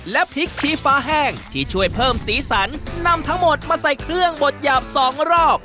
และพริกชี้ฟ้าแห้งที่ช่วยเพิ่มสีสันนำทั้งหมดมาใส่เครื่องบดหยาบสองรอบ